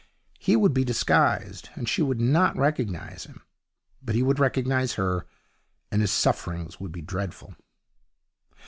He would be disguised, and she would not recognize him; but he would recognize her, and his sufferings would be dreadful.